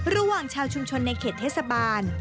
ระหว่างชาวชุมชนในเขตเทศบาล